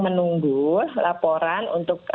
menunggu laporan untuk